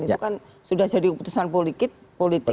itu kan sudah jadi keputusan politik